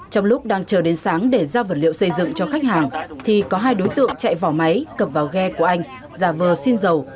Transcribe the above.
trong lúc đang chờ đến sáng để ra vật liệu xây dựng cho khách hàng thì có hai đối tượng chạy vỏ máy cập vào ghe của anh giả vờ xin dầu